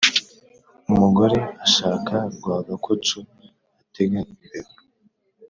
umugore ashaka rwagakoco atega imbeba